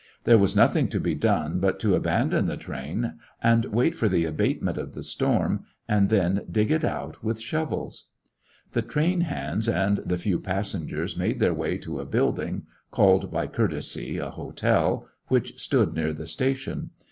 There was nothing to be done but to abandon the train and wait for the abatement of the storm and then dig it out with shovels. The train bands and the few passengers made their way to a building^ called by cour tesy a botelj which stood near the station.